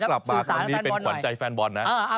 กลับมาครั้งนี้เป็นขวัญใจแฟนบอลนะ